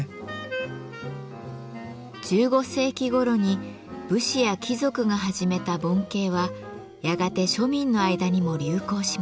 １５世紀ごろに武士や貴族が始めた盆景はやがて庶民の間にも流行しました。